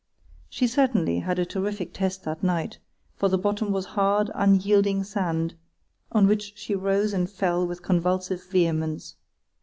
She certainly had a terrific test that night, for the bottom was hard, unyielding sand, on which she rose and fell with convulsive vehemence.